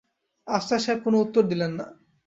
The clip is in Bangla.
আফসার সাহেব কোনো উত্তর দিলেন না।